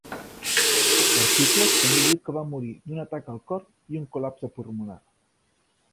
L'article també diu que va morir d'un atac al cor i un col·lapse pulmonar.